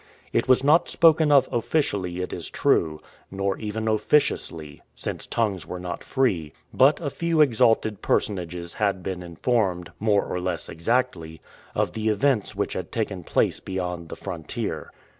It was not spoken of officially, it is true, nor even officiously, since tongues were not free; but a few exalted personages had been informed, more or less exactly, of the events which had taken place beyond the frontier.